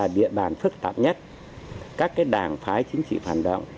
địa bàn phức tạp nhất các đảng phái chính trị phản động